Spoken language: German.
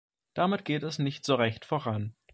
Damit geht es nicht so recht voran.